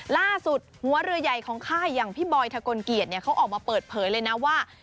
ล่าสุดหัวเรือใหญ่ของค่ายอย่างพี่บอยทะกลเกียจเขาออกมาเปิดเผยเลยนะว่า